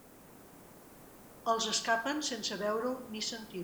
Els escapen sense veure-ho ni sentir-ho.